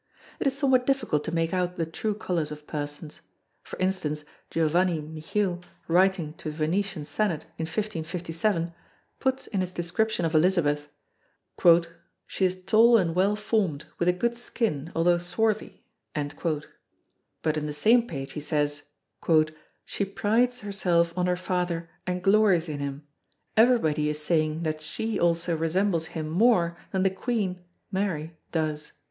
It is somewhat difficult to make out the true colours of persons. For instance Giovanni Michiel writing to the Venetian Senate in 1557 puts in his description of Elizabeth "She is tall and well formed, with a good skin, although swarthy" but in the same page he says "she prides herself on her father and glories in him; everybody is saying that she also resembles him more than the Queen [Mary] does."